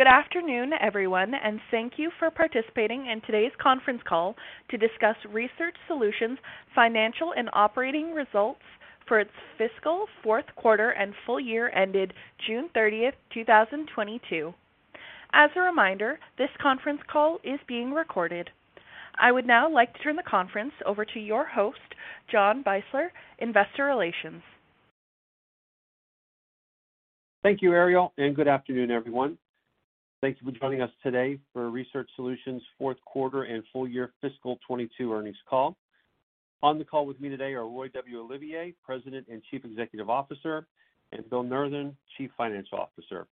Good afternoon, everyone, and thank you for participating in today's conference call to discuss Research Solutions' financial and operating results for its fiscal fourth quarter and full year ended June 30, 2022. As a reminder, this conference call is being recorded. I would now like to turn the conference over to your host, John Beisler, Investor Relations. Thank you, Ariel, and good afternoon, everyone. Thanks for joining us today for Research Solutions' fourth quarter and full year fiscal 2022 earnings call. On the call with me today are Roy W. Olivier, President and Chief Executive Officer, and Bill Nurthen, Chief Financial Officer.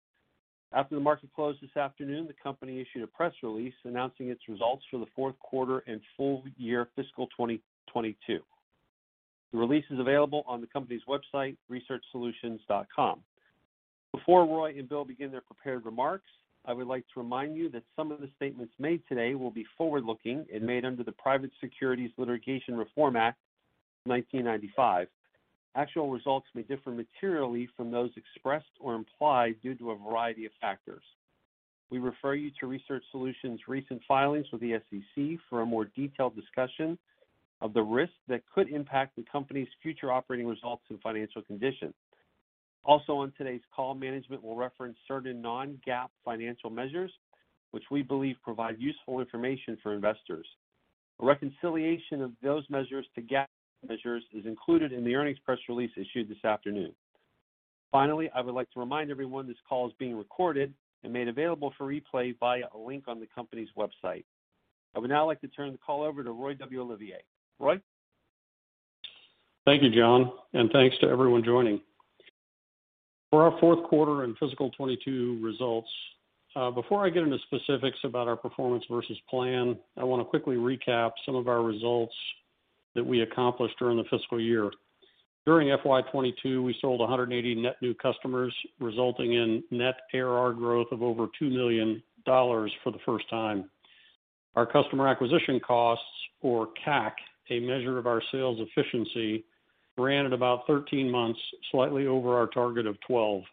After the market closed this afternoon, the company issued a press release announcing its results for the fourth quarter and full year fiscal 2022. The release is available on the company's website, researchsolutions.com. Before Roy and Bill begin their prepared remarks, I would like to remind you that some of the statements made today will be forward-looking and made under the Private Securities Litigation Reform Act of 1995. Actual results may differ materially from those expressed or implied due to a variety of factors. We refer you to Research Solutions' recent filings with the SEC for a more detailed discussion of the risks that could impact the company's future operating results and financial condition. Also on today's call, management will reference certain non-GAAP financial measures which we believe provide useful information for investors. A reconciliation of those measures to GAAP measures is included in the earnings press release issued this afternoon. Finally, I would like to remind everyone this call is being recorded and made available for replay via a link on the company's website. I would now like to turn the call over to Roy W. Olivier. Roy. Thank you, John, and thanks to everyone joining. For our fourth quarter and fiscal 2022 results, before I get into specifics about our performance versus plan, I wanna quickly recap some of our results that we accomplished during the fiscal year. During FY 2022, we sold 180 net new customers, resulting in net ARR growth of over $2 million for the first time. Our customer acquisition costs, or CAC, a measure of our sales efficiency, ran at about 13 months, slightly over our target of 12.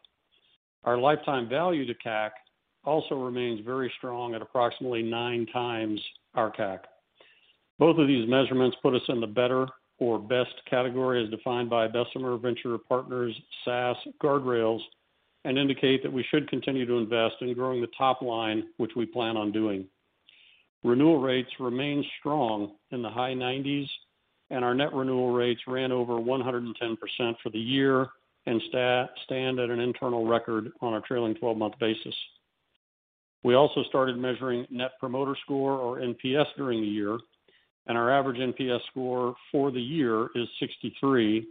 Our lifetime value to CAC also remains very strong at approximately nine times our CAC. Both of these measurements put us in the better or best category as defined by Bessemer Venture Partners' SaaS Guardrails and indicate that we should continue to invest in growing the top line, which we plan on doing. Renewal rates remain strong in the high 90s, and our net renewal rates ran over 110% for the year and stand at an internal record on a trailing twelve-month basis. We also started measuring net promoter score or NPS during the year, and our average NPS score for the year is 63,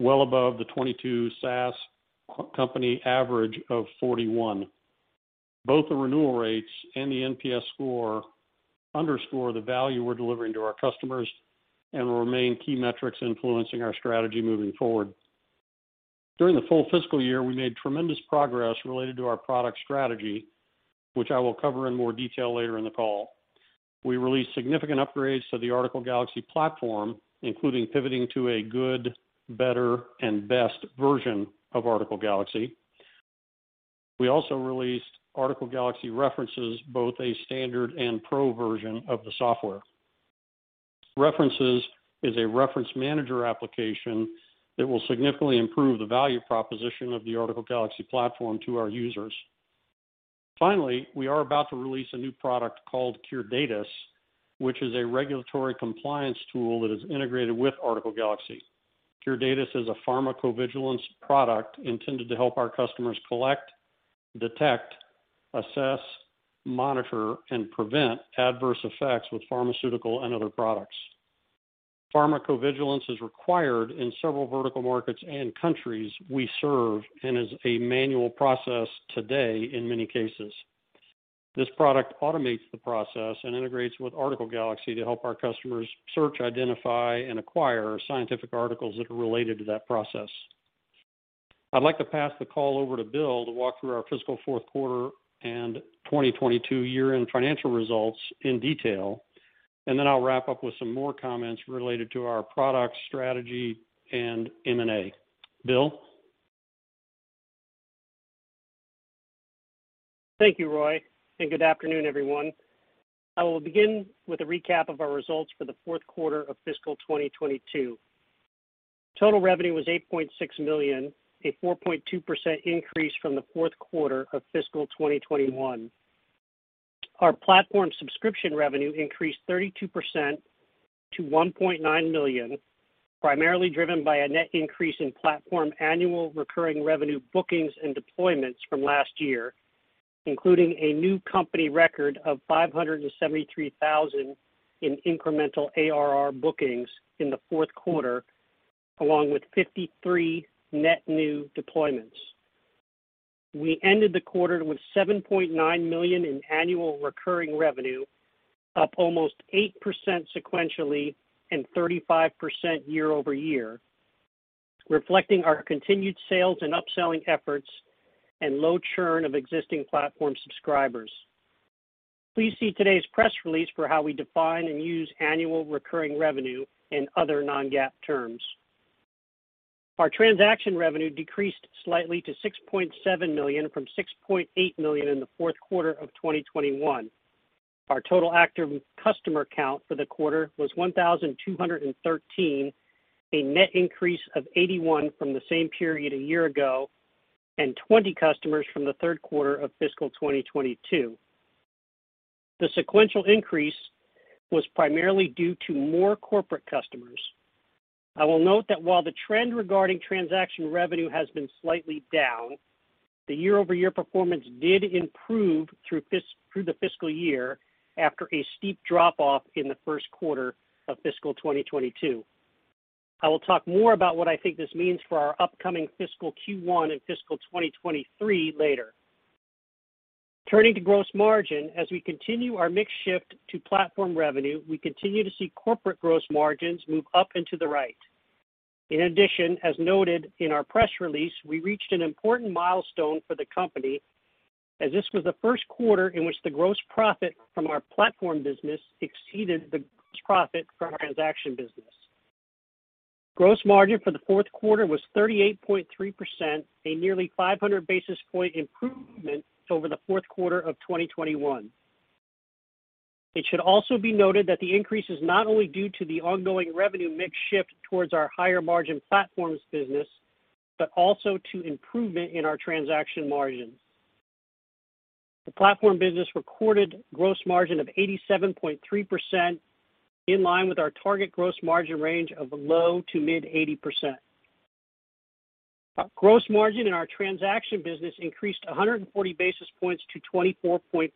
well above the 22 SaaS company average of 41. Both the renewal rates and the NPS score underscore the value we're delivering to our customers and will remain key metrics influencing our strategy moving forward. During the full fiscal year, we made tremendous progress related to our product strategy, which I will cover in more detail later in the call. We released significant upgrades to the Article Galaxy platform, including pivoting to a good, better, and best version of Article Galaxy. We also released Article Galaxy References, both a standard and pro version of the software. References is a reference manager application that will significantly improve the value proposition of the Article Galaxy platform to our users. Finally, we are about to release a new product called Curedatis, which is a regulatory compliance tool that is integrated with Article Galaxy. Curedatis is a Pharmacovigilance product intended to help our customers collect, detect, assess, monitor, and prevent adverse effects with pharmaceutical and other products. Pharmacovigilance is required in several vertical markets and countries we serve and is a manual process today in many cases. This product automates the process and integrates with Article Galaxy to help our customers search, identify, and acquire scientific articles that are related to that process. I'd like to pass the call over to Bill to walk through our fiscal fourth quarter and 2022 year-end financial results in detail, and then I'll wrap up with some more comments related to our product strategy and M&A. Bill? Thank you, Roy, and good afternoon, everyone. I will begin with a recap of our results for the fourth quarter of fiscal 2022. Total revenue was $8.6 million, a 4.2% increase from the fourth quarter of fiscal 2021. Our platform subscription revenue increased 32% to $1.9 million, primarily driven by a net increase in platform annual recurring revenue bookings and deployments from last year, including a new company record of $573,000 in incremental ARR bookings in the fourth quarter, along with 53 net new deployments. We ended the quarter with $7.9 million in annual recurring revenue, up almost 8% sequentially and 35% year-over-year, reflecting our continued sales and upselling efforts and low churn of existing platform subscribers. Please see today's press release for how we define and use annual recurring revenue and other non-GAAP terms. Our transaction revenue decreased slightly to $6.7 million from $6.8 million in the fourth quarter of 2021. Our total active customer count for the quarter was 1,213, a net increase of 81 from the same period a year ago and 20 customers from the third quarter of fiscal 2022. The sequential increase was primarily due to more corporate customers. I will note that while the trend regarding transaction revenue has been slightly down, the year-over-year performance did improve through the fiscal year after a steep drop off in the first quarter of fiscal 2022. I will talk more about what I think this means for our upcoming fiscal Q1 and fiscal 2023 later. Turning to gross margin, as we continue our mix shift to platform revenue, we continue to see corporate gross margins move up into the right. In addition, as noted in our press release, we reached an important milestone for the company as this was the first quarter in which the gross profit from our platform business exceeded the gross profit from our transaction business. Gross margin for the fourth quarter was 38.3%, a nearly 500 basis point improvement over the fourth quarter of 2021. It should also be noted that the increase is not only due to the ongoing revenue mix shift towards our higher margin platform business, but also to improvement in our transaction margins. The platform business recorded gross margin of 87.3% in line with our target gross margin range of low- to mid-80%. Our gross margin in our transaction business increased 140 basis points to 24.5%.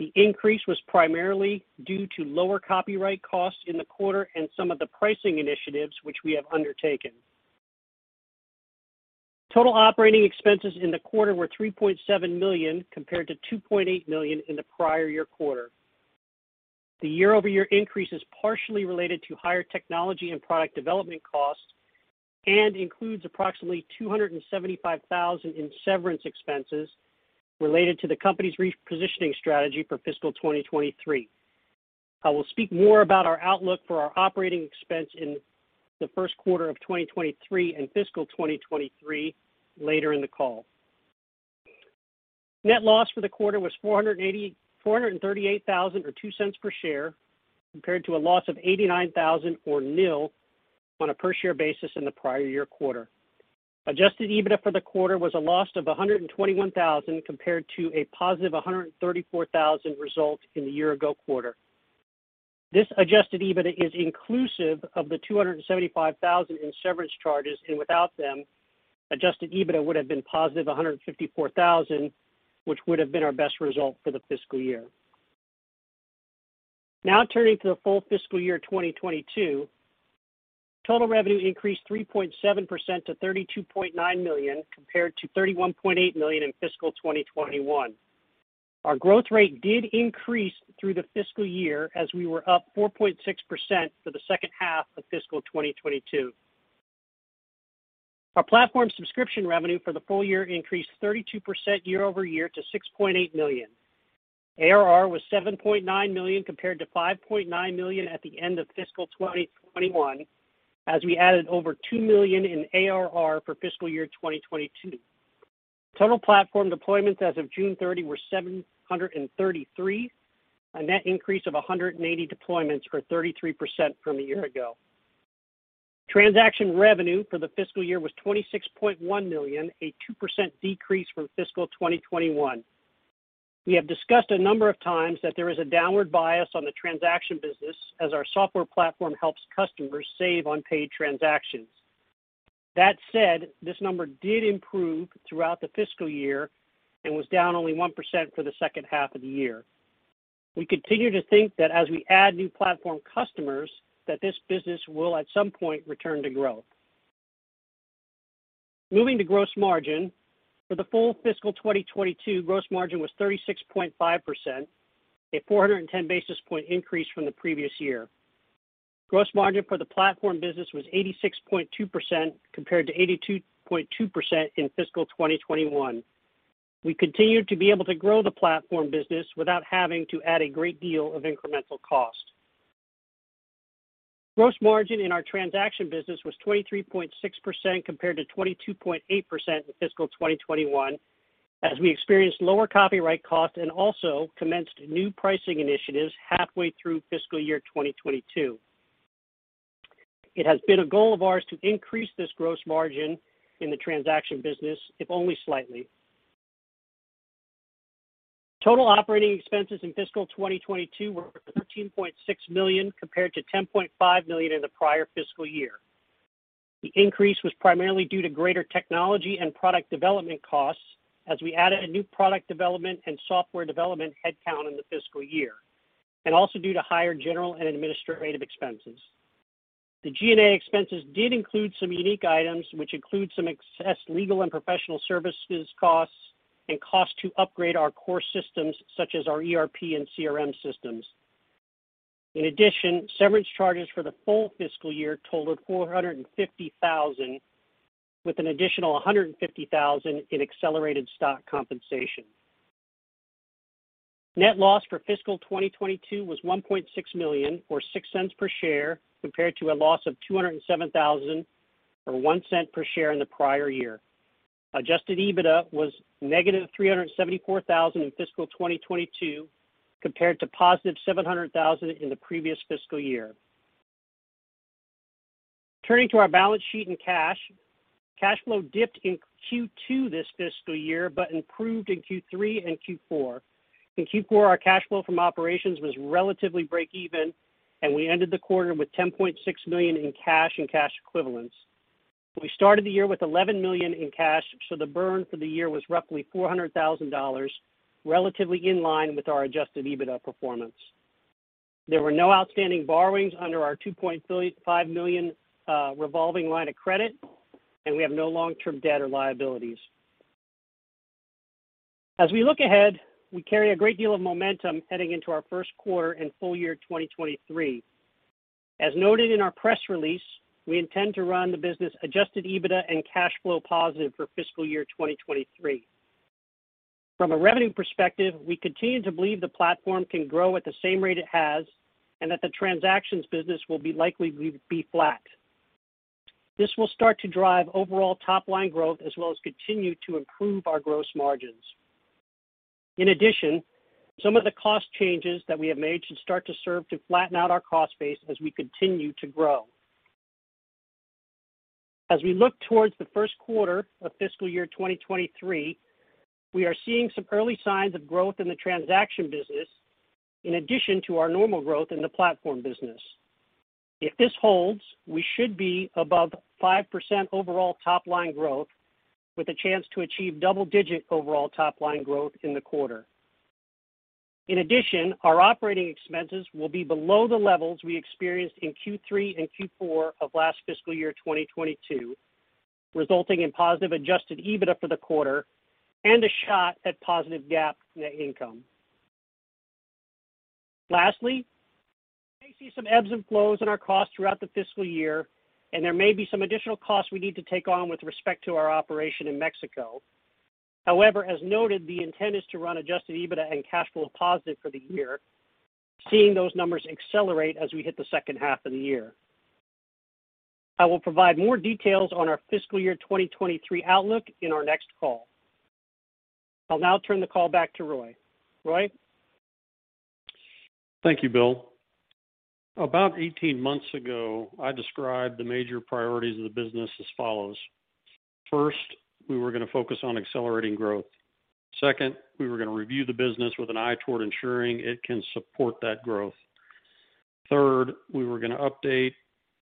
The increase was primarily due to lower copyright costs in the quarter and some of the pricing initiatives which we have undertaken. Total operating expenses in the quarter were $3.7 million compared to $2.8 million in the prior year quarter. The year-over-year increase is partially related to higher technology and product development costs and includes approximately $275,000 in severance expenses related to the company's repositioning strategy for fiscal 2023. I will speak more about our outlook for our operating expense in the first quarter of 2023 and fiscal 2023 later in the call. Net loss for the quarter was $438,000 or $0.02 per share, compared to a loss of $89,000 or nil on a per-share basis in the prior year quarter. Adjusted EBITDA for the quarter was a loss of $121,000, compared to a positive $134,000 result in the year ago quarter. This adjusted EBITDA is inclusive of the $275,000 in severance charges, and without them, adjusted EBITDA would have been positive $154,000, which would have been our best result for the fiscal year. Now turning to the full fiscal year 2022. Total revenue increased 3.7% to $32.9 million, compared to $31.8 million in fiscal 2021. Our growth rate did increase through the fiscal year as we were up 4.6% for the second half of fiscal 2022. Our platform subscription revenue for the full year increased 32% year over year to $6.8 million. ARR was $7.9 million compared to $5.9 million at the end of fiscal 2021, as we added over $2 million in ARR for fiscal year 2022. Total platform deployments as of June 30 were 733, a net increase of 180 deployments or 33% from a year ago. Transaction revenue for the fiscal year was $26.1 million, a 2% decrease from fiscal 2021. We have discussed a number of times that there is a downward bias on the transaction business as our software platform helps customers save on paid transactions. That said, this number did improve throughout the fiscal year and was down only 1% for the second half of the year. We continue to think that as we add new platform customers, that this business will at some point return to growth. Moving to gross margin. For the full fiscal 2022, gross margin was 36.5%, a 410 basis point increase from the previous year. Gross margin for the platform business was 86.2% compared to 82.2% in fiscal 2021. We continued to be able to grow the platform business without having to add a great deal of incremental cost. Gross margin in our transaction business was 23.6% compared to 22.8% in fiscal 2021, as we experienced lower copyright costs and also commenced new pricing initiatives halfway through fiscal year 2022. It has been a goal of ours to increase this gross margin in the transaction business, if only slightly. Total operating expenses in fiscal 2022 were $13.6 million compared to $10.5 million in the prior fiscal year. The increase was primarily due to greater technology and product development costs as we added a new product development and software development headcount in the fiscal year, and also due to higher general and administrative expenses. The G&A expenses did include some unique items, which include some excess legal and professional services costs and costs to upgrade our core systems such as our ERP and CRM systems. In addition, severance charges for the full fiscal year totaled $450,000, with an additional $150,000 in accelerated stock compensation. Net loss for fiscal 2022 was $1.6 million or $0.06 per share, compared to a loss of $207,000 or $0.01 per share in the prior year. Adjusted EBITDA was negative $374,000 in fiscal 2022 compared to positive $700,000 in the previous fiscal year. Turning to our balance sheet and cash. Cash flow dipped in Q2 this fiscal year, but improved in Q3 and Q4. In Q4, our cash flow from operations was relatively break even, and we ended the quarter with $10.6 million in cash and cash equivalents. We started the year with $11 million in cash, so the burn for the year was roughly $400,000, relatively in line with our adjusted EBITDA performance. There were no outstanding borrowings under our $2.5 million revolving line of credit, and we have no long-term debt or liabilities. As we look ahead, we carry a great deal of momentum heading into our first quarter and full year 2023. As noted in our press release, we intend to run the business adjusted EBITDA and cash flow positive for fiscal year 2023. From a revenue perspective, we continue to believe the platform can grow at the same rate it has and that the transactions business will likely be flat. This will start to drive overall top-line growth as well as continue to improve our gross margins. In addition, some of the cost changes that we have made should start to serve to flatten out our cost base as we continue to grow. As we look towards the first quarter of fiscal year 2023, we are seeing some early signs of growth in the transaction business in addition to our normal growth in the platform business. If this holds, we should be above 5% overall top line growth with a chance to achieve double-digit overall top line growth in the quarter. In addition, our operating expenses will be below the levels we experienced in Q3 and Q4 of last fiscal year, 2022, resulting in positive adjusted EBITDA for the quarter and a shot at positive GAAP net income. Lastly, we may see some ebbs and flows in our costs throughout the fiscal year, and there may be some additional costs we need to take on with respect to our operation in Mexico. However, as noted, the intent is to run adjusted EBITDA and cash flow positive for the year, seeing those numbers accelerate as we hit the second half of the year. I will provide more details on our fiscal year 2023 outlook in our next call. I'll now turn the call back to Roy. Roy. Thank you, Bill. About 18 months ago, I described the major priorities of the business as follows. First, we were going to focus on accelerating growth. Second, we were going to review the business with an eye toward ensuring it can support that growth. Third, we were going to update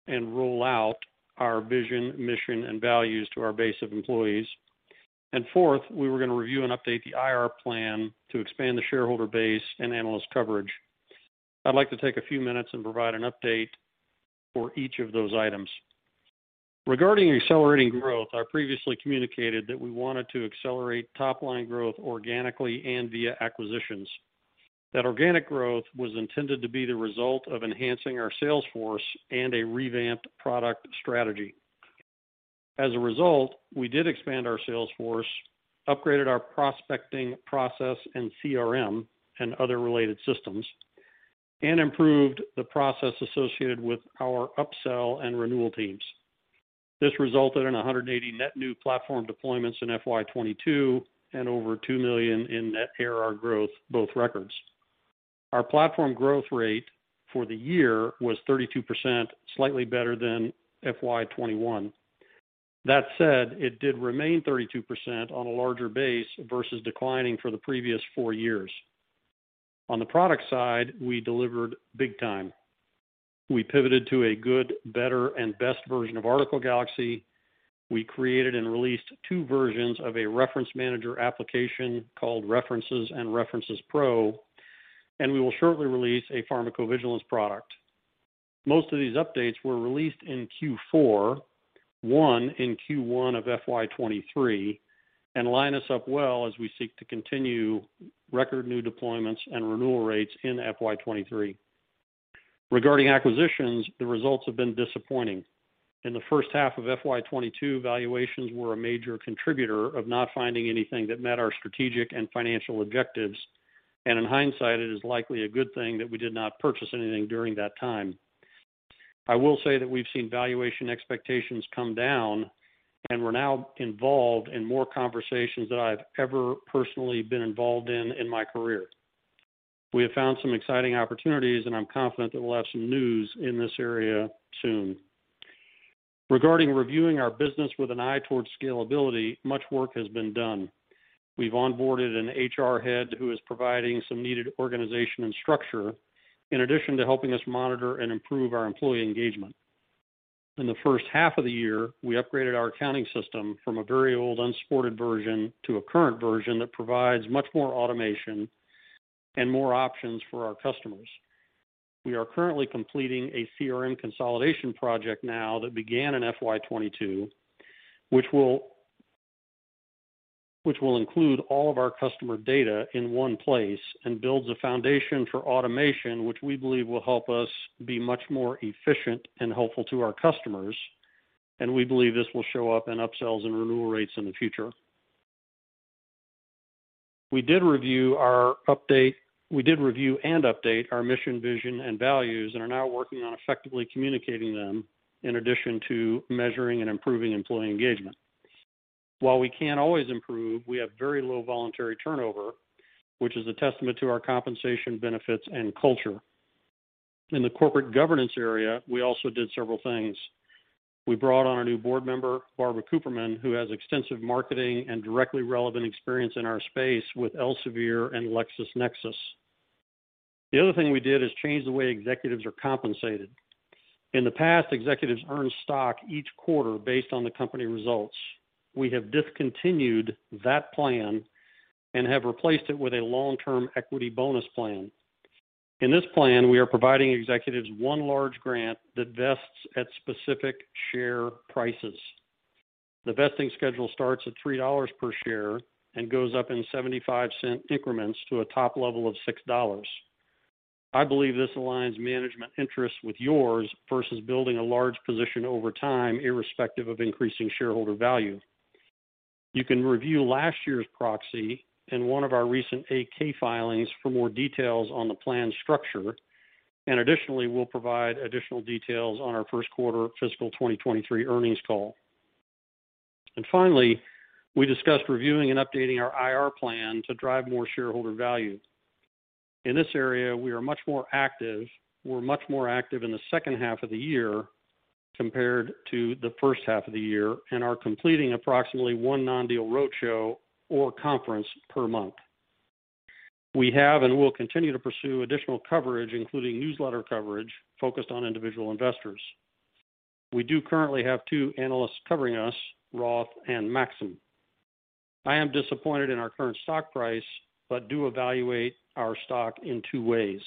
and roll out our vision, mission, and values to our base of employees. Fourth, we were going to review and update the IR plan to expand the shareholder base and analyst coverage. I'd like to take a few minutes and provide an update for each of those items. Regarding accelerating growth, I previously communicated that we wanted to accelerate top-line growth organically and via acquisitions. That organic growth was intended to be the result of enhancing our sales force and a revamped product strategy. As a result, we did expand our sales force, upgraded our prospecting process and CRM and other related systems, and improved the process associated with our upsell and renewal teams. This resulted in 180 net new platform deployments in FY 2022 and over $2 million in net ARR growth, both records. Our platform growth rate for the year was 32%, slightly better than FY 2022. That said, it did remain 32% on a larger base versus declining for the previous four years. On the product side, we delivered big time. We pivoted to a good, better, and best version of Article Galaxy. We created and released two versions of a reference manager application called References and References Pro, and we will shortly release a pharmacovigilance product. Most of these updates were released in Q4, one in Q1 of FY 2023, and line us up well as we seek to continue record new deployments and renewal rates in FY 2023. Regarding acquisitions, the results have been disappointing. In the first half of FY 2022, valuations were a major contributor of not finding anything that met our strategic and financial objectives. In hindsight, it is likely a good thing that we did not purchase anything during that time. I will say that we've seen valuation expectations come down, and we're now involved in more conversations than I've ever personally been involved in in my career. We have found some exciting opportunities, and I'm confident that we'll have some news in this area soon. Regarding reviewing our business with an eye towards scalability, much work has been done. We've onboarded an HR head who is providing some needed organization and structure in addition to helping us monitor and improve our employee engagement. In the first half of the year, we upgraded our accounting system from a very old unsupported version to a current version that provides much more automation and more options for our customers. We are currently completing a CRM consolidation project now that began in FY 2022, which will include all of our customer data in one place and builds a foundation for automation, which we believe will help us be much more efficient and helpful to our customers. We believe this will show up in upsells and renewal rates in the future. We did review and update our mission, vision, and values and are now working on effectively communicating them in addition to measuring and improving employee engagement. While we can't always improve, we have very low voluntary turnover, which is a testament to our compensation benefits and culture. In the corporate governance area, we also did several things. We brought on a new board member, Barbara J. Cooperman, who has extensive marketing and directly relevant experience in our space with Elsevier and LexisNexis. The other thing we did is change the way executives are compensated. In the past, executives earned stock each quarter based on the company results. We have discontinued that plan and have replaced it with a long-term equity bonus plan. In this plan, we are providing executives one large grant that vests at specific share prices. The vesting schedule starts at $3 per share and goes up in $0.75 increments to a top level of $6. I believe this aligns management interests with yours versus building a large position over time, irrespective of increasing shareholder value. You can review last year's proxy in one of our recent 8-K filings for more details on the plan structure. Additionally, we'll provide additional details on our first quarter fiscal 2023 earnings call. Finally, we discussed reviewing and updating our IR plan to drive more shareholder value. In this area, we are much more active. We're much more active in the second half of the year compared to the first half of the year and are completing approximately one non-deal roadshow or conference per month. We have and will continue to pursue additional coverage, including newsletter coverage focused on individual investors. We do currently have two analysts covering us, Roth and Maxim. I am disappointed in our current stock price, but do evaluate our stock in two ways.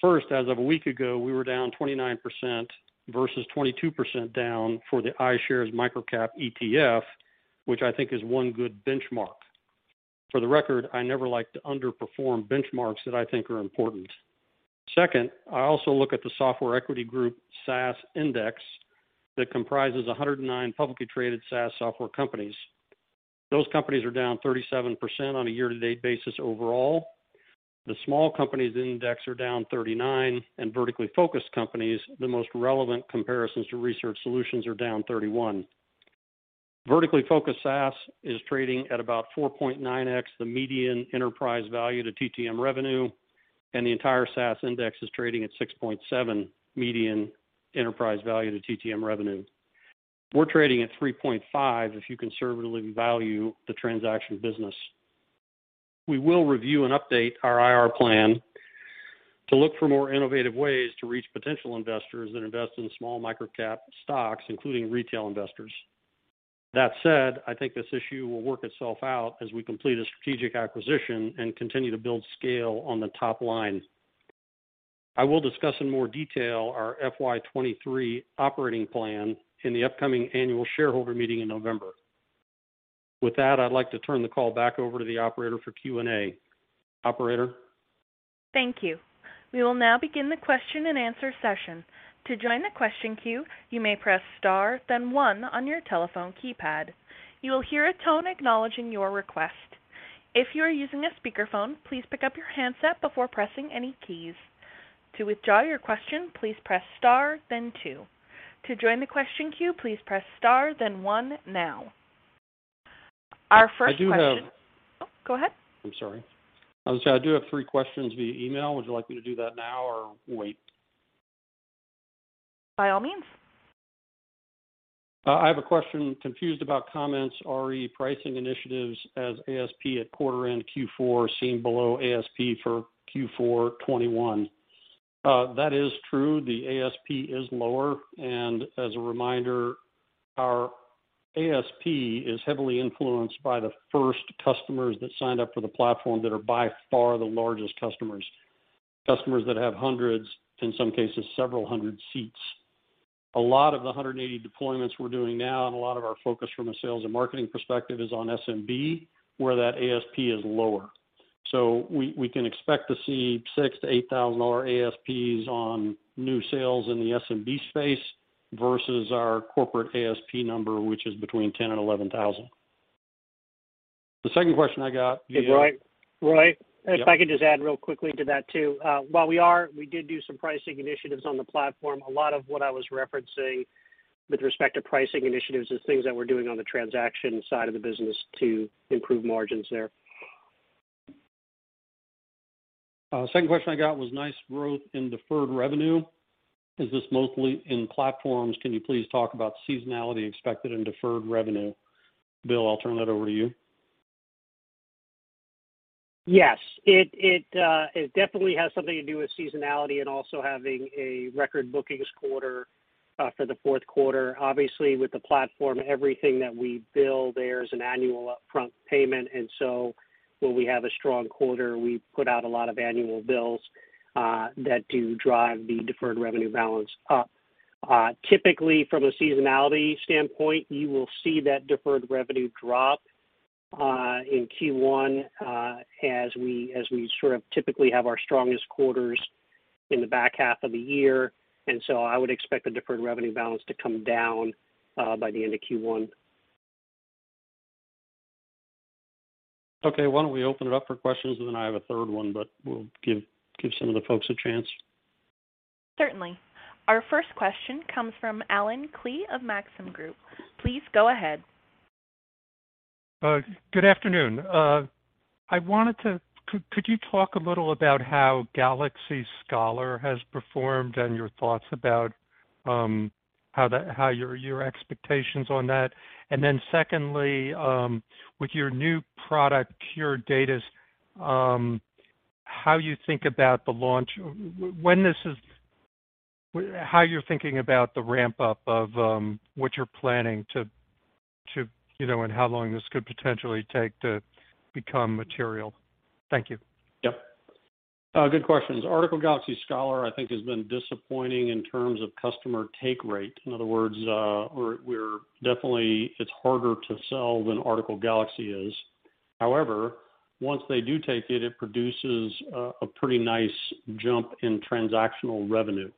First, as of a week ago, we were down 29% versus 22% down for the iShares Micro-Cap ETF, which I think is one good benchmark. For the record, I never like to underperform benchmarks that I think are important. Second, I also look at the Software Equity Group SaaS Index that comprises 109 publicly traded SaaS software companies. Those companies are down 37% on a year-to-date basis overall. The small companies index are down 39%, and vertically focused companies, the most relevant comparisons to Research Solutions, are down 31%. Vertically focused SaaS is trading at about 4.9x, the median enterprise value to TTM revenue, and the entire SaaS index is trading at 6.7 median enterprise value to TTM revenue. We're trading at 3.5 if you conservatively value the transaction business. We will review and update our IR plan to look for more innovative ways to reach potential investors that invest in small microcap stocks, including retail investors. That said, I think this issue will work itself out as we complete a strategic acquisition and continue to build scale on the top line. I will discuss in more detail our FY 2023 operating plan in the upcoming annual shareholder meeting in November. With that, I'd like to turn the call back over to the operator for Q&A. Operator? Thank you. We will now begin the question-and-answer session. To join the question queue, you may press star then one on your telephone keypad. You will hear a tone acknowledging your request. If you are using a speakerphone, please pick up your handset before pressing any keys. To withdraw your question, please press star then two. To join the question queue, please press star then one now. Our first question. I do have. Oh, go ahead. I'm sorry. I was gonna say I do have three questions via email. Would you like me to do that now or wait? By all means. I have a question, confused about comments re pricing initiatives as ASP at quarter end Q4 seen below ASP for Q4 2021. That is true. The ASP is lower, and as a reminder, our ASP is heavily influenced by the first customers that signed up for the platform that are by far the largest customers. Customers that have hundreds, in some cases several hundred seats. A lot of the 180 deployments we're doing now and a lot of our focus from a sales and marketing perspective is on SMB, where that ASP is lower. We can expect to see $6,000-$8,000 ASPs on new sales in the SMB space versus our corporate ASP number, which is between $10,000 and $11,000. The second question I got via- Roy? Roy? Yeah. If I could just add real quickly to that too. We did do some pricing initiatives on the platform. A lot of what I was referencing with respect to pricing initiatives is things that we're doing on the transaction side of the business to improve margins there. Second question I got was nice growth in deferred revenue. Is this mostly in platforms? Can you please talk about seasonality expected in deferred revenue? Bill, I'll turn that over to you. Yes. It definitely has something to do with seasonality and also having a record bookings quarter for the fourth quarter. Obviously, with the platform, everything that we bill there is an annual upfront payment. When we have a strong quarter, we put out a lot of annual bills that do drive the deferred revenue balance up. Typically from a seasonality standpoint, you will see that deferred revenue drop in Q1 as we sort of typically have our strongest quarters in the back half of the year. I would expect the deferred revenue balance to come down by the end of Q1. Okay. Why don't we open it up for questions and then I have a third one, but we'll give some of the folks a chance. Certainly. Our first question comes from Allen Klee of Maxim Group. Please go ahead. Good afternoon. Could you talk a little about how Article Galaxy Scholar has performed and your thoughts about how your expectations on that? And then secondly, with your new product, Curedatis, how you think about the launch. How you're thinking about the ramp-up of what you're planning to, you know, and how long this could potentially take to become material. Thank you. Yep. Good questions. Article Galaxy Scholar, I think, has been disappointing in terms of customer take rate. In other words, we're definitely. It's harder to sell than Article Galaxy is. However, once they do take it produces a pretty nice jump in transactional revenue.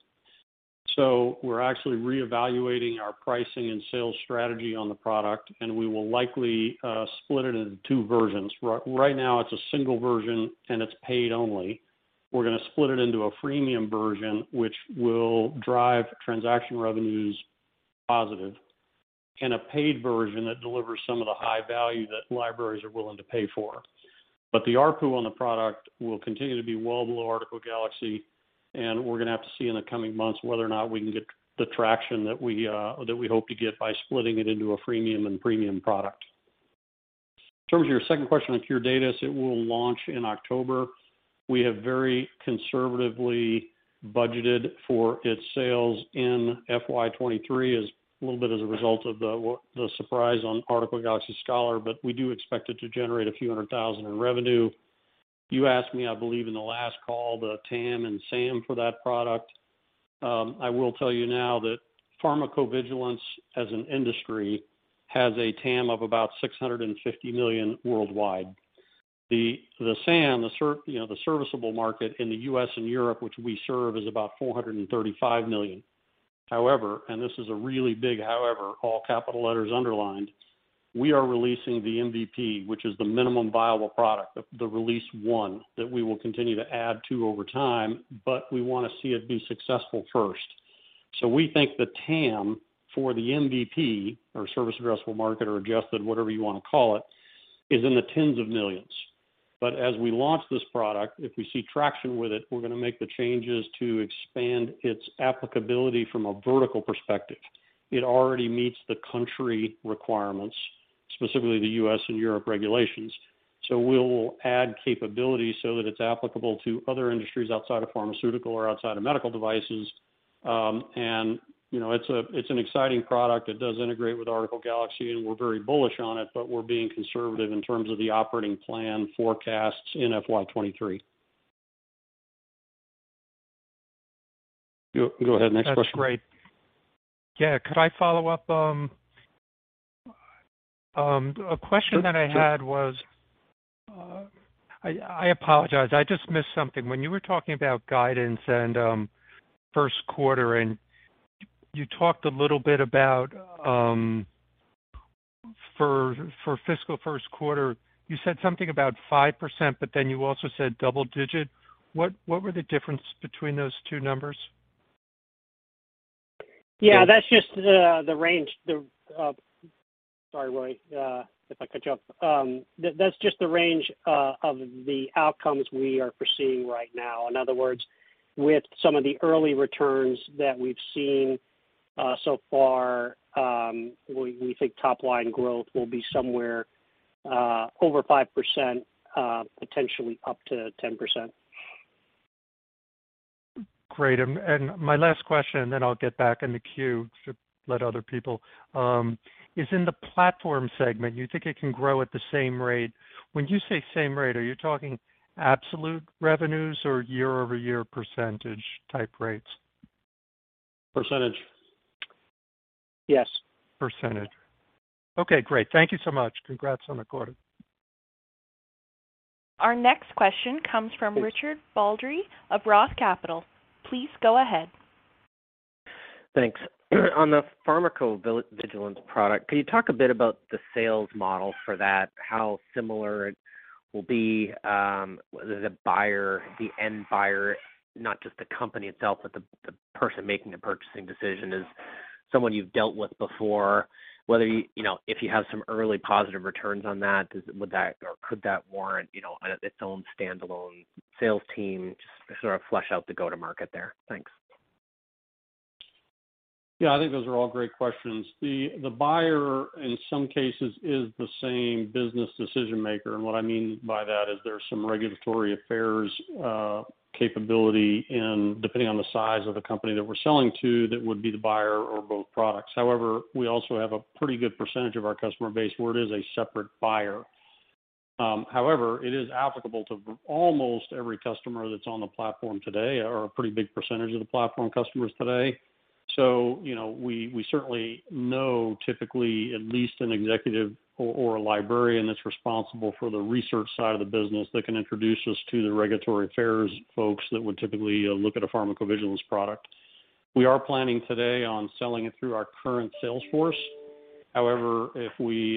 We're actually reevaluating our pricing and sales strategy on the product, and we will likely split it into two versions. Right now it's a single version, and it's paid only. We're gonna split it into a freemium version, which will drive transactional revenues positive, and a paid version that delivers some of the high value that libraries are willing to pay for. The ARPU on the product will continue to be well below Article Galaxy, and we're gonna have to see in the coming months whether or not we can get the traction that we hope to get by splitting it into a freemium and premium product. In terms of your second question on Curedatis, it will launch in October. We have very conservatively budgeted for its sales in FY 2023 as a little bit as a result of the surprise on Article Galaxy Scholar, but we do expect it to generate a few hundred thousand in revenue. You asked me, I believe in the last call, the TAM and SAM for that product. I will tell you now that pharmacovigilance as an industry has a TAM of about $650 million worldwide. The SAM, you know, the serviceable market in the US and Europe, which we serve, is about $435 million. However, and this is a really big however, all capital letters underlined, we are releasing the MVP, which is the minimum viable product, the release one that we will continue to add to over time, but we wanna see it be successful first. We think the TAM for the MVP or serviceable addressable market or adjusted, whatever you wanna call it, is in the tens of millions. As we launch this product, if we see traction with it, we're gonna make the changes to expand its applicability from a vertical perspective. It already meets the country requirements, specifically the US and Europe regulations. We'll add capabilities so that it's applicable to other industries outside of pharmaceutical or outside of medical devices. You know, it's an exciting product. It does integrate with Article Galaxy, and we're very bullish on it, but we're being conservative in terms of the operating plan forecasts in FY 2023. Go ahead. Next question. That's great. Yeah. Could I follow up? A question that I had was. I apologize. I just missed something. When you were talking about guidance and first quarter and you talked a little bit about for fiscal first quarter, you said something about 5%, but then you also said double digit. What were the difference between those two numbers? Yeah, that's just the range. Sorry, Roy, if I cut you off. That's just the range of the outcomes we are foreseeing right now. In other words, with some of the early returns that we've seen so far, we think top line growth will be somewhere over 5%, potentially up to 10%. Great. My last question, and then I'll get back in the queue to let other people. Is in the platform segment, you think it can grow at the same rate? When you say same rate, are you talking absolute revenues or year-over-year percentage type rates? Percentage. Yes. Percentage. Okay, great. Thank you so much. Congrats on the quarter. Our next question comes from Richard Baldry of Roth Capital Partners. Please go ahead. Thanks. On the pharmacovigilance product, can you talk a bit about the sales model for that? How similar it will be, the buyer, the end buyer, not just the company itself, but the person making a purchasing decision is someone you've dealt with before. You know, if you have some early positive returns on that, would that or could that warrant, you know, its own standalone sales team? Just to sort of flesh out the go-to market there. Thanks. Yeah, I think those are all great questions. The buyer, in some cases, is the same business decision-maker. What I mean by that is there's some regulatory affairs capability in, depending on the size of the company that we're selling to, that would be the buyer or both products. However, we also have a pretty good percentage of our customer base where it is a separate buyer. However, it is applicable to almost every customer that's on the platform today or a pretty big percentage of the platform customers today. You know, we certainly know typically at least an executive or a librarian that's responsible for the research side of the business that can introduce us to the regulatory affairs folks that would typically look at a pharmacovigilance product. We are planning today on selling it through our current sales force. However, if we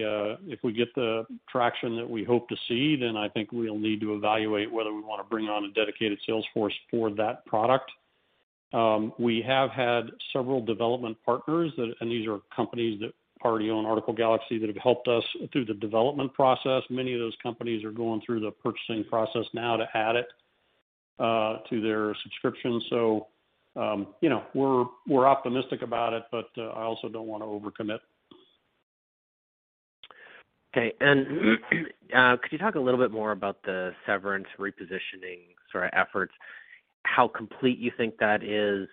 get the traction that we hope to see, then I think we'll need to evaluate whether we wanna bring on a dedicated sales force for that product. We have had several development partners that and these are companies that already own Article Galaxy that have helped us through the development process. Many of those companies are going through the purchasing process now to add it to their subscription. You know, we're optimistic about it, but I also don't wanna over-commit. Could you talk a little bit more about the strategic repositioning sort of efforts, how complete you think that is?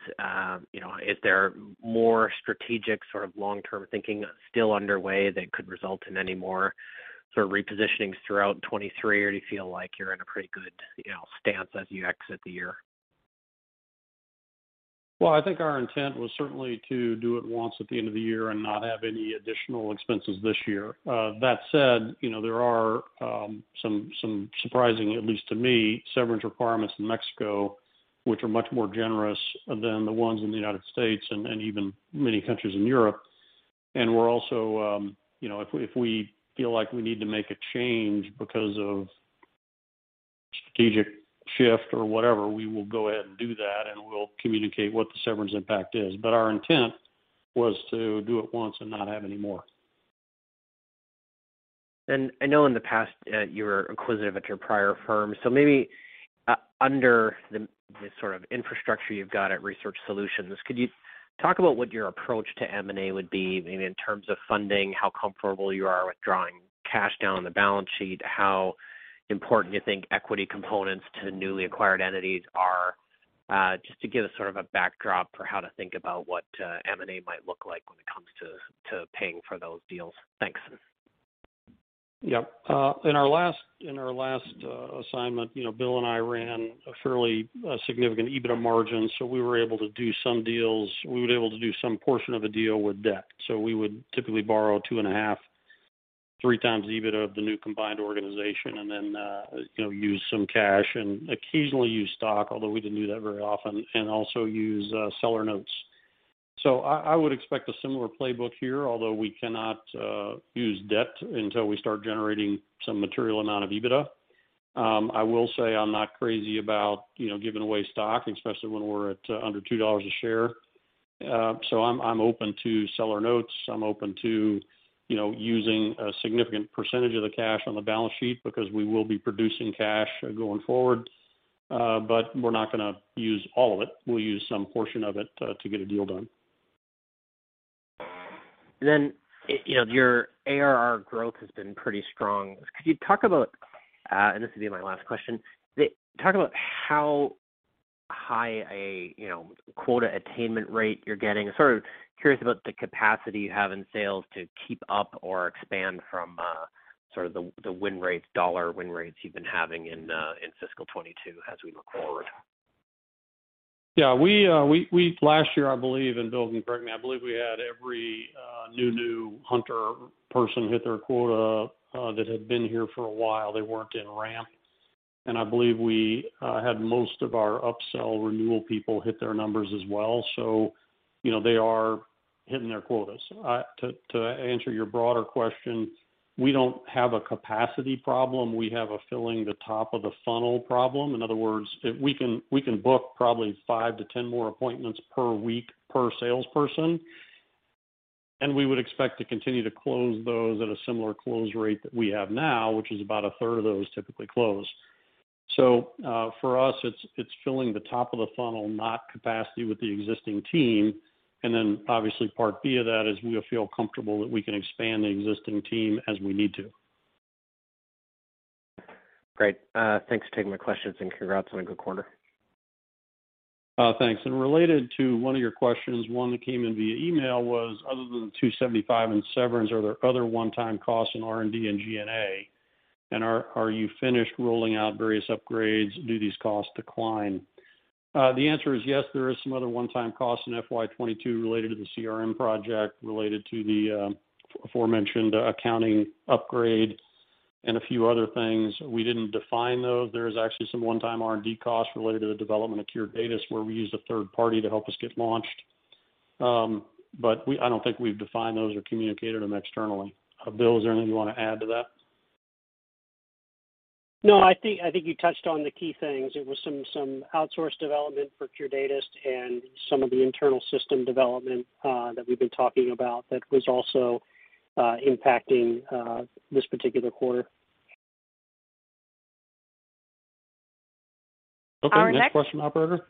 You know, is there more strategic sort of long-term thinking still underway that could result in any more sort of repositionings throughout 2023? Do you feel like you're in a pretty good, you know, stance as you exit the year? Well, I think our intent was certainly to do it once at the end of the year and not have any additional expenses this year. That said, you know, there are some surprising, at least to me, severance requirements in Mexico, which are much more generous than the ones in the United States and even many countries in Europe. We're also, you know, if we feel like we need to make a change because of strategic shift or whatever, we will go ahead and do that, and we'll communicate what the severance impact is. Our intent was to do it once and not have any more. I know in the past, you were acquisitive at your prior firm. Maybe under the sort of infrastructure you've got at Research Solutions, could you talk about what your approach to M&A would be, maybe in terms of funding, how comfortable you are with drawing cash down on the balance sheet? How important you think equity components to newly acquired entities are? Just to give us sort of a backdrop for how to think about what M&A might look like when it comes to paying for those deals. Thanks. Yep. In our last assignment, you know, Bill and I ran a fairly significant EBITDA margin, so we were able to do some deals. We were able to do some portion of a deal with debt. We would typically borrow 2.5-3 times the EBITDA of the new combined organization and then, you know, use some cash and occasionally use stock, although we didn't do that very often, and also use seller notes. I would expect a similar playbook here, although we cannot use debt until we start generating some material amount of EBITDA. I will say I'm not crazy about, you know, giving away stock, especially when we're at under $2 a share. I'm open to seller notes. I'm open to, you know, using a significant percentage of the cash on the balance sheet because we will be producing cash going forward. We're not gonna use all of it. We'll use some portion of it to get a deal done. You know, your ARR growth has been pretty strong. Could you talk about, and this will be my last question. Talk about how high a, you know, quota attainment rate you're getting. Sort of curious about the capacity you have in sales to keep up or expand from, sort of the win rates, dollar win rates you've been having in fiscal 2022 as we look forward. Yeah. Last year, I believe, and Bill can correct me, I believe we had every new hunter person hit their quota that had been here for a while. They weren't in ramp. I believe we had most of our upsell renewal people hit their numbers as well. You know, they are hitting their quotas. To answer your broader question, we don't have a capacity problem. We have a problem filling the top of the funnel. In other words, we can book probably five to 10 more appointments per week per salesperson, and we would expect to continue to close those at a similar close rate that we have now, which is about a third of those typically close. For us, it's filling the top of the funnel, not capacity with the existing team. Obviously part B of that is we feel comfortable that we can expand the existing team as we need to. Great. Thanks for taking my questions and congrats on a good quarter. Thanks. Related to one of your questions, one that came in via email was, other than the $275 in severance, are there other one-time costs in R&D and G&A? Are you finished rolling out various upgrades? Do these costs decline? The answer is yes, there is some other one-time costs in FY 2022 related to the CRM project, related to the aforementioned accounting upgrade and a few other things. We didn't define those. There is actually some one-time R&D costs related to the development of Curedatis, where we used a third party to help us get launched. But I don't think we've defined those or communicated them externally. Bill, is there anything you wanna add to that? No, I think you touched on the key things. It was some outsourced development for Curedatis and some of the internal system development that we've been talking about that was also impacting this particular quarter. Okay. Next question, operator.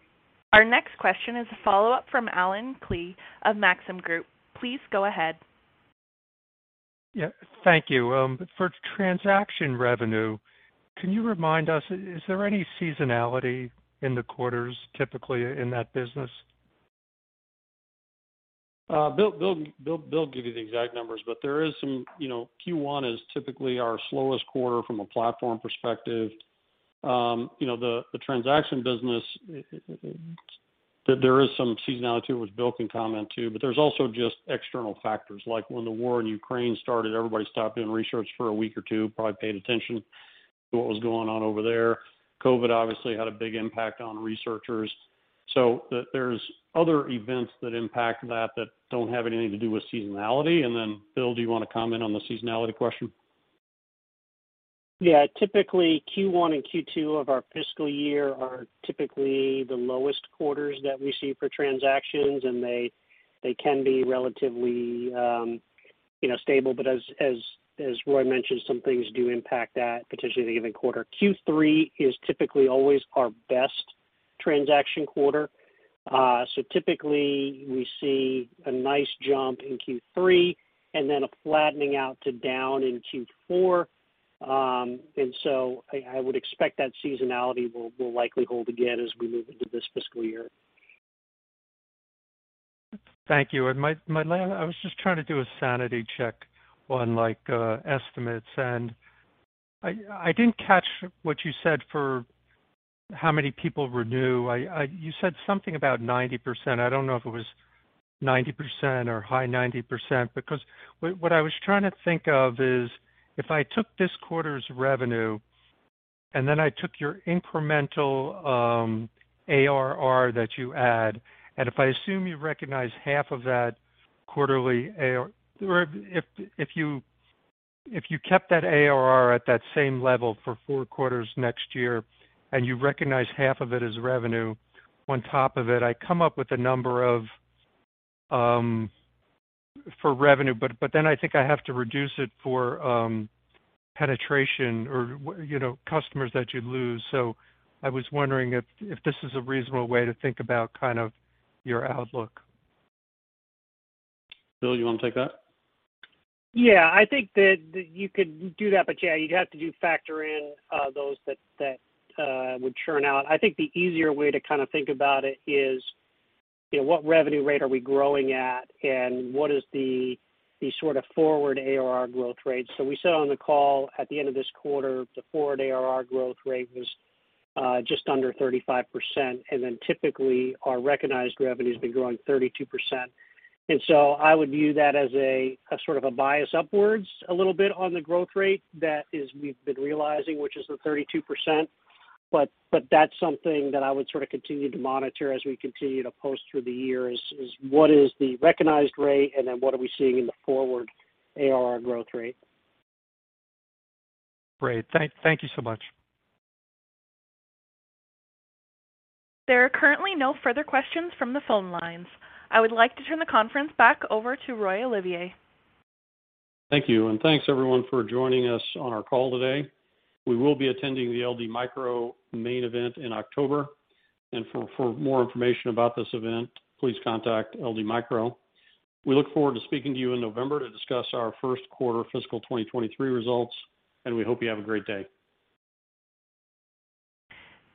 Our next question is a follow-up from Allen Klee of Maxim Group. Please go ahead. Yeah. Thank you. For transaction revenue, can you remind us, is there any seasonality in the quarters typically in that business? Bill will give you the exact numbers, but there is some. You know, Q1 is typically our slowest quarter from a platform perspective. You know, the transaction business, there is some seasonality to it, which Bill can comment too, but there's also just external factors like when the war in Ukraine started, everybody stopped doing research for a week or two, probably paid attention to what was going on over there. COVID obviously had a big impact on researchers. There's other events that impact that don't have anything to do with seasonality. Then, Bill, do you wanna comment on the seasonality question? Yeah. Typically, Q1 and Q2 of our fiscal year are typically the lowest quarters that we see for transactions, and they can be relatively, you know, stable. As Roy mentioned, some things do impact that, potentially the given quarter. Q3 is typically always our best transaction quarter. Typically we see a nice jump in Q3 and then a flattening out to down in Q4. I would expect that seasonality will likely hold again as we move into this fiscal year. Thank you. I was just trying to do a sanity check on like estimates, and I didn't catch what you said for how many people renew. You said something about 90%. I don't know if it was 90% or high 90%, because what I was trying to think of is if I took this quarter's revenue and then I took your incremental ARR that you add, and if I assume you recognize half of that quarterly ARR. Or if you kept that ARR at that same level for four quarters next year, and you recognize half of it as revenue on top of it, I come up with a number of for revenue. But then I think I have to reduce it for penetration or, you know, customers that you'd lose. I was wondering if this is a reasonable way to think about kind of your outlook? Bill, you wanna take that? Yeah. I think that you could do that, but yeah, you'd have to factor in those that would churn out. I think the easier way to kinda think about it is, you know, what revenue rate are we growing at and what is the sort of forward ARR growth rate. We said on the call at the end of this quarter, the forward ARR growth rate was just under 35%, and then typically our recognized revenue's been growing 32%. I would view that as a sort of a bias upwards a little bit on the growth rate that is we've been realizing, which is the 32%. That's something that I would sorta continue to monitor as we continue to post through the year, is what is the recognized rate and then what are we seeing in the forward ARR growth rate. Great. Thank you so much. There are currently no further questions from the phone lines. I would like to turn the conference back over to Roy Olivier. Thank you. Thanks everyone for joining us on our call today. We will be attending the LD Micro main event in October. For more information about this event, please contact LD Micro. We look forward to speaking to you in November to discuss our first quarter fiscal 2023 results, and we hope you have a great day.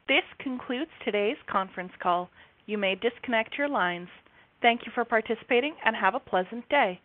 This concludes today's conference call. You may disconnect your lines. Thank you for participating and have a pleasant day.